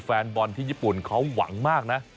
แฟนบอลที่ญี่ปุ่นเขาหวังมากนะ